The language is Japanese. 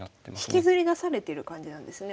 引きずり出されてる感じなんですね